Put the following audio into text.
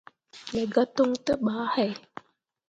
Me gah toŋ te bah he.